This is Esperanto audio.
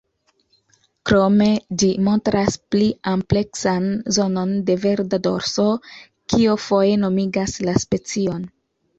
Krome ĝi montras pli ampleksan zonon de verda dorso, kio foje nomigas la specion.